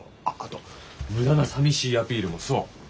あっあと無駄な寂しいアピールもそう。